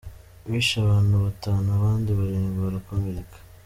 Bishe abantu batanu abandi barindwi barakomeraka.